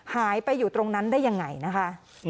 หายไปอยู่ตรงนั้นได้ยังไงนะคะ